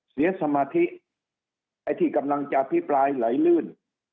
เสียสมาธิไอ้ที่กำลังจะอภิปรายไหลลื่น